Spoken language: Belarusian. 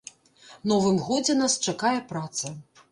Новым годзе нас чакае праца.